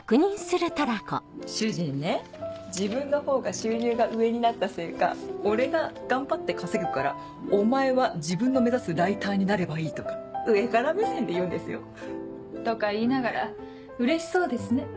主人ね自分のほうが収入が上になったせいか「俺が頑張って稼ぐからお前は自分の目指すライターになればいい」とか上から目線で言うんですよ。とか言いながらうれしそうですね。